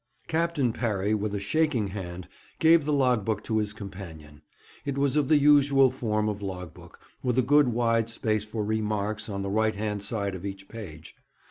Captain Parry, with a shaking hand, gave the log book to his companion. It was of the usual form of log book, with a good wide space for 'Remarks' on the right hand side of each page.